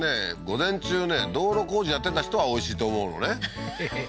午前中ね道路工事やってた人はおいしいと思うのねははは